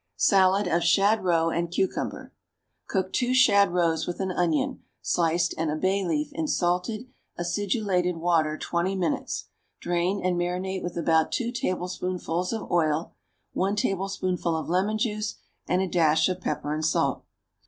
=Salad of Shad Roe and Cucumber.= Cook two shad roes with an onion, sliced, and a bay leaf, in salted, acidulated water twenty minutes; drain, and marinate with about two tablespoonfuls of oil, one tablespoonful of lemon juice and a dash of pepper and salt.